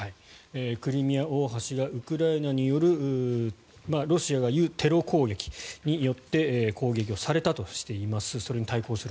クリミア大橋がウクライナによるロシアが言うテロ攻撃によって攻撃をされたとしています。